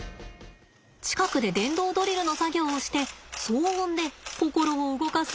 近くで電動ドリルの作業をして騒音で心を動かすんだって。